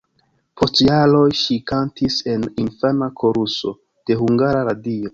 Post jaroj ŝi kantis en infana koruso de Hungara Radio.